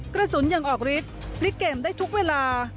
กระสุนยังออกฤทธิ์พลิกเกมได้ทุกเวลา